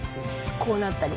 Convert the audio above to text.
こうなったり。